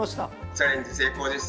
チャレンジ成功です。